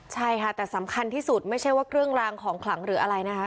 ใช่ค่ะแต่สำคัญที่สุดไม่ใช่ว่าเครื่องรางของขลังหรืออะไรนะคะ